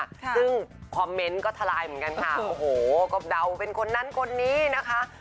ซึ่งคอมเมนต์ก็ทลายเหมือนกันค่ะโอ้โหก็เดาเป็นคนนั้นคนนี้นะคะ